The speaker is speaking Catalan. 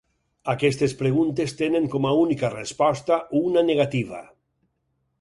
Aquestes preguntes tenen com a única resposta una negativa.